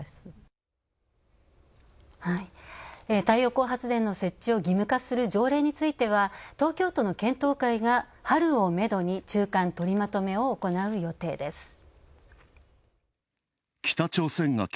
太陽光発電の設置を義務化する条例については、東京都の検討会が春をめどに中間とりまとめを行う予定です。